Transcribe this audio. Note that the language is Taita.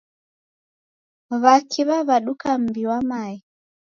Wa Kaw'i waduka mbi wa mae.